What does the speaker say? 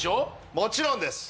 もちろんです